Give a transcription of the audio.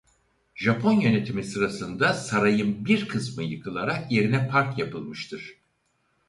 Japon yönetimi sırasında sarayın bir kısmı yıkılarak yerine park yapılmıştır.